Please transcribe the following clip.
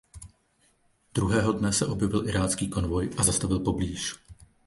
Druhého dne se objevil Irácký konvoj a zastavil poblíž.